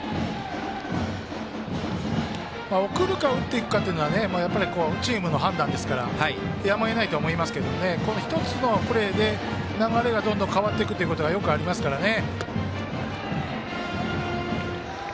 送るか打っていくかはチームの判断ですからやむをえないと思いますけど１つのプレーで流れがどんどん変わっていくということがよくありますからね。